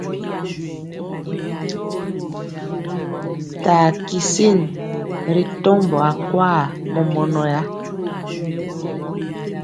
Taa kisin ri tɔmbɔ akwa mɔmɔnɔya.